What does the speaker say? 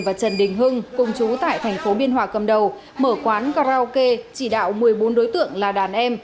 và trần đình hưng công chú tại tp biên hòa cầm đầu mở quán karaoke chỉ đạo một mươi bốn đối tượng là đàn em